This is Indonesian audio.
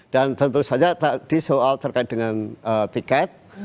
dan tentu saja tadi soal terkait dengan tiket